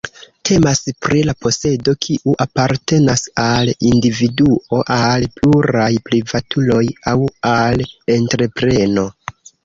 Temas pri la posedo, kiu apartenas al individuo, al pluraj privatuloj aŭ al entrepreno.